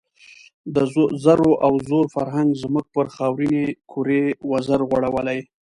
د زرو او زور فرهنګ زموږ پر خاورینې کُرې وزر غوړولی.